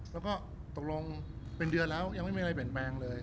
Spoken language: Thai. แล้วก็ตกลงเป็นเดือนแล้วยังไม่มีอะไรเปลี่ยนแปลงเลย